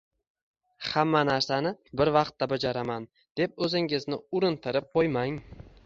Hamma narsani bir vaqtda bajaraman, deb o‘zingizni urintirib qo‘ymang.